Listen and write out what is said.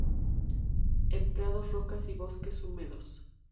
En prados rocas y bosques húmedos.